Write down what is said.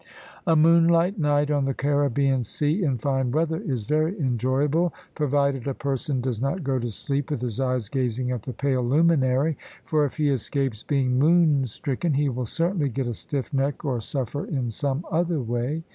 A moonlight night on the Caribbean Sea in fine weather is very enjoyable, provided a person does not go to sleep with his eyes gazing at the pale luminary, for if he escapes being moon stricken he will certainly get a stiff neck or suffer in some other way.